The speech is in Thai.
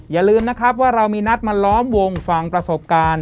อย่าลืมนะครับว่าเรามีนัดมาล้อมวงฟังประสบการณ์